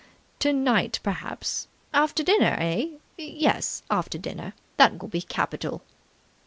"Tonight, perhaps. After dinner, eh? Yes, after dinner. That will be capital."